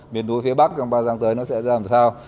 biển núi phía bắc trong ba tháng tới nó sẽ ra làm sao